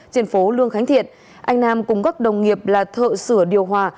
trên phố lương khánh thiện anh nam cùng các đồng nghiệp là thợ sửa điều hòa